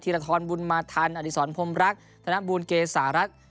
ธีรทรบุญมาธรรมอธิษฐรพมรักษ์ธนบุญเกษารักษ์